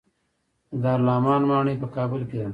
د دارالامان ماڼۍ په کابل کې ده